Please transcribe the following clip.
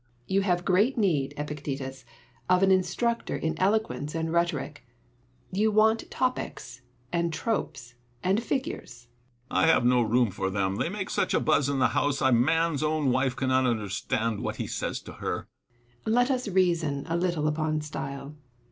Seneca. You have great need, Epictetus, of an instructor in eloquence and rhetoric: you want topics, and tropes, and figures. Epictetus. I have no room for them. They make such a buzz in the house, a man's own wife cannot understand what he says to her. Seneca. Let us reason a little upon style.